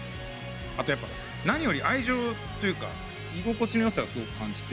あとやっぱ何より愛情というか居心地のよさをすごく感じて。